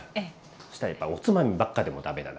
そしたらやっぱりおつまみばっかでも駄目だな。